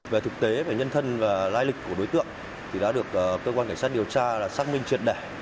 về thực tế về nhân thân và lai lịch của đối tượng thì đã được cơ quan cảnh sát điều tra xác minh triệt đẻ